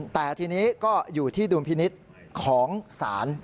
แต่ทีนี้ก็อยู่ที่ดุลพินิษฐ์ของศาล